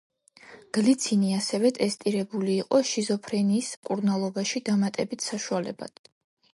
გლიცინი ასევე ტესტირებული იყო შიზოფრენიის მკურნალობაში დამატებით საშუალებად.